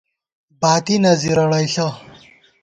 باتی نہ زِرَڑئیݪہ